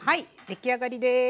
出来上がりです。